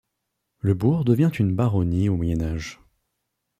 Le bourg devient une baronnie au Moyen Âge.